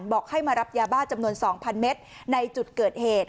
บอกให้มารับยาบ้าจำนวน๒๐๐เมตรในจุดเกิดเหตุ